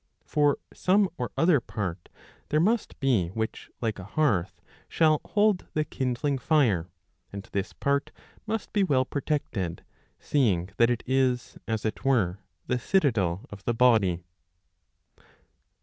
For some or other part there must be which like a hearth shall hold the kindling fire ; and this part must be well protected, seeing that it is, as it were, the citadel of the body.